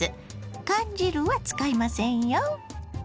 缶汁は使いませんよ。